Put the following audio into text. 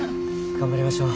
頑張りましょう。